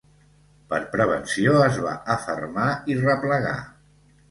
Per prevenció es va afermar i replegar.